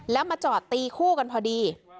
แล้วมาจอดตีคู่กันพอดี